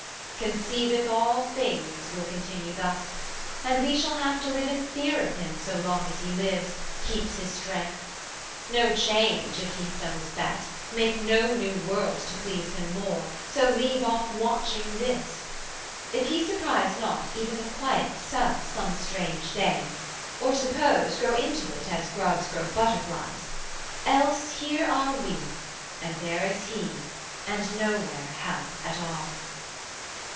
240 'Conceiveth all things will continue thus, And we shall have to live in fear of Him So long as He lives, keeps His strength: no change, If He have done His best, make no new world To please Him more, so leave off watching this 245 If He surprise not even the Quiet's self Some strange day or, suppose, grow into it As grubs grow butterflies: else, here are we, And there is He, and nowhere help at all.